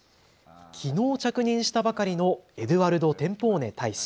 きのう着任したばかりのエドゥアルド・テンポーネ大使。